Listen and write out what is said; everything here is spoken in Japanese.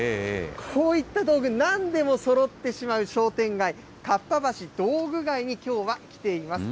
こういった道具、なんでもそろってしまう商店街、かっぱ橋道具街に、きょうは来ています。